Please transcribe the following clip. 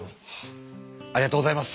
ありがとうございます。